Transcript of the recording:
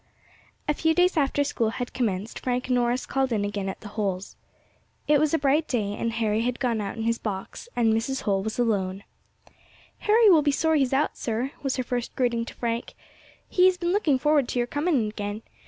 A FEW days after school had commenced Frank Norris called in again at the Holls'. It was a bright day, and Harry had gone out in his box, and Mrs. Holl was alone. "Harry will be sorry he is out, sir," was her first greeting to Frank; "he has been looking forward to your coming again.